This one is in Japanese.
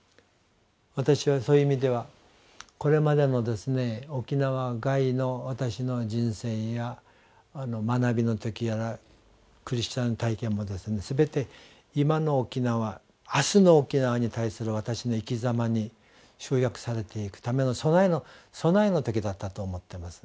私はそういう意味ではこれまでもですね沖縄外の私の人生や学びの時やらクリスチャン体験も全て今の沖縄明日の沖縄に対する私の生きざまに集約されていくための備えの時だったと思ってます。